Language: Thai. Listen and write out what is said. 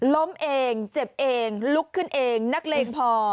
ล้มเองเจ็บเองลุกขึ้นเองนักเลงพอ